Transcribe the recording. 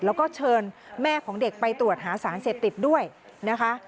แล้วก็เชิญแม่ของเด็กไปตรวจหาสารเสพติดด้วยนะคะ